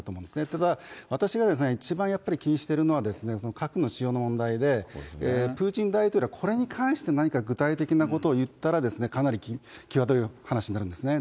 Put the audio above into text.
ただ、私が一番気にしているのは核の使用の問題で、プーチン大統領はこれに関して、何か具体的なことを言ったら、かなりきわどい話になりますね。